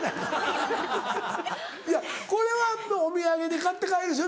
いやこれはお土産で買って帰るでしょ？